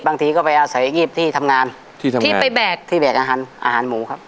บางทีก็ไปเอาใส่งีบที่ทำงานที่ไปแบกที่แบกอาหารหมูครับ